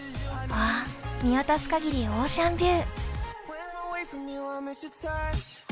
見渡す限りオーシャンビュー。